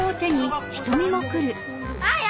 あや！